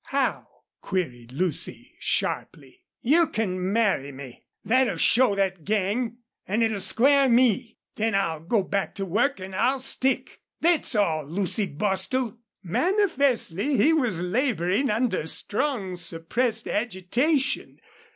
"How?" queried Lucy, sharply. "You can marry me. Thet'll show thet gang! An' it'll square me. Then I'll go back to work an' I'll stick. Thet's all, Lucy Bostil." Manifestly he was laboring under strong suppressed agitation.